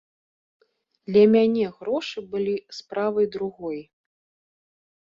Для мяне грошы былі справай другой.